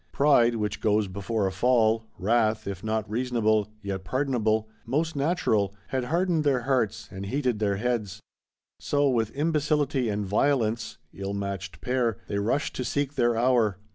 Pride, which goes before a fall; wrath, if not reasonable, yet pardonable, most natural, had hardened their hearts and heated their heads; so, with imbecility and violence (ill matched pair), they rush to seek their hour.